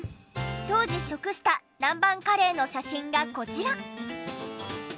当時食した南蛮カレーの写真がこちら！